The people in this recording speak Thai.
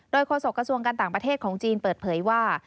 โดยโฆษกระทรวงการต่างประเทศของจีนเปิดเผยว่า